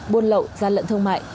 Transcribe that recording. buôn lậu gian lận thương mại